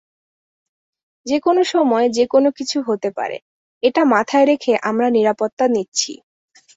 যেকোনো সময় যেকোনো কিছু হতে পারে, এটা মাথায় রেখে আমরা নিরাপত্তা নিচ্ছি।